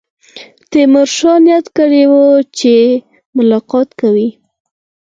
تیمورشاه نیت کړی وو چې ملاقات کوي.